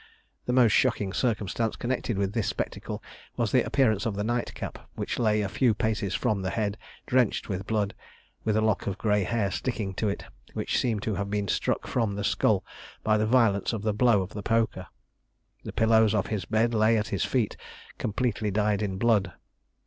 The most shocking circumstance connected with this spectacle was the appearance of the night cap, which lay a few paces from the head, drenched in blood, with a lock of grey hair sticking to it, which seemed to have been struck from the skull by the violence of the blow of the poker. The pillows of his bed lay at his feet, completely dyed in blood.